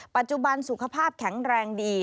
ปัจจุบันสุขภาพแข็งแรงดี